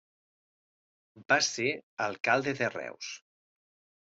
Va ser alcalde de Reus.